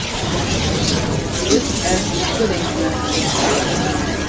Sie ist als Kulturdenkmal geschützt.